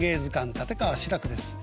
立川志らくです。